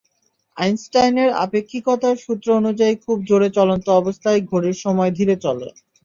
আইনস্টাইনের আপেক্ষিকতার সূত্র অনুযায়ী খুব জোরে চলন্ত অবস্থায় ঘড়ির সময় ধীরে চলে।